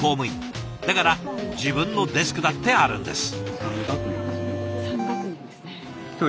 だから自分のデスクだってあるんです。